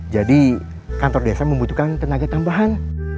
jadi kantor desa membutuhkan tenaga tambahan